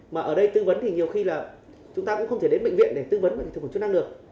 mà ở đây tư vấn thì nhiều khi là chúng ta cũng không thể đến bệnh viện để tư vấn thực phẩm chức năng được